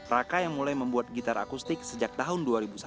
raka yang mulai membuat gitar akustik sejak tahun dua ribu satu